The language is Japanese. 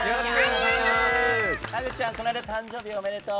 ハグちゃん、この間誕生日おめでとう！